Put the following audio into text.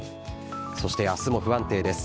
そして明日も不安定です。